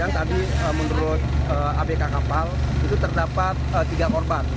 lantaran lambung kapal penuh terisi air